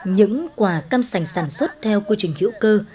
những quả cam sành sản xuất theo quy trình hữu cơ